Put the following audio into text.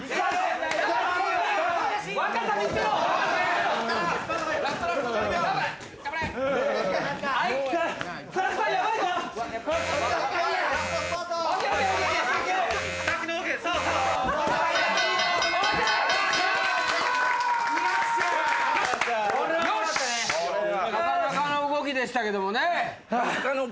なかなかの動きでしたけどもね。